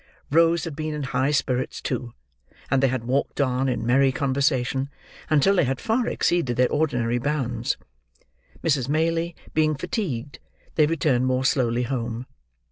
Rose had been in high spirits, too, and they had walked on, in merry conversation, until they had far exceeded their ordinary bounds. Mrs. Maylie being fatigued, they returned more slowly home.